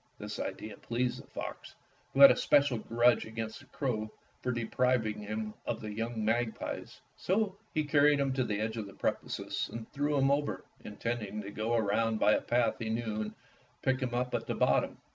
This idea pleased the fox, who had a special grudge against the crow for depriving him of the young magpies. So he carried his captive to the edge of the precipice and threw 133 Fairy Tale Foxes him over, intending to go around by a path he knew and pick him up at the bottom.